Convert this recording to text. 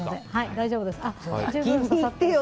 大丈夫です。